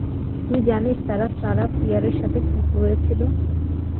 তুই জানিস তারা সারাহ ফিয়ারের সাথে কি করেছিল?